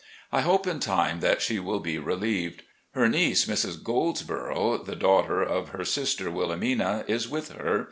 I hope in time that she will be relieved. Her niece, Mrs. Goldsborough, the daughter of her sister Wilhelmina, is with her.